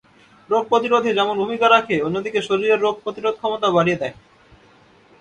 রোগ প্রতিরোধে যেমন ভূমিকা রাখে, অন্যদিকে শরীরের রোগ প্রতিরোধক্ষমতাও বাড়িয়ে দেয়।